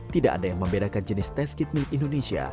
tidak ada yang membedakan jenis tes kit milik indonesia